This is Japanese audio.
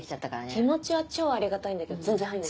気持ちは超ありがたいんだけど全然入んない。